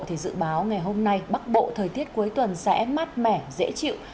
thì dự báo ngày hôm nay bắc bộ thời tiết cuối tuần sẽ mát mẻ dễ chịu